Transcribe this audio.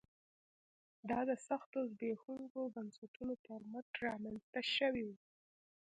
دا د سختو زبېښونکو بنسټونو پر مټ رامنځته شوی و